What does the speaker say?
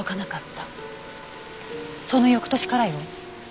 その翌年からよ。